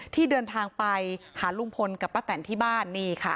ที่เดินทางไปหารุงพลกับลับตนที่บ้าน